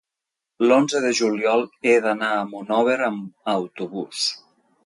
L'onze de juliol he d'anar a Monòver amb autobús.